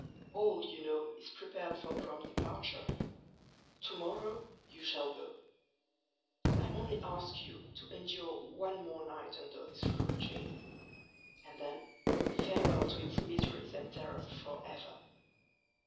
All, you know, is prepared for prompt departure: to morrow you shall go. I only ask you to endure one more night under this roof, Jane; and then, farewell to its miseries and terrors for ever!